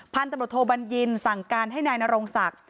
พันธุ์ตำรวจโทบัญญินสั่งการให้นายนรงศักดิ์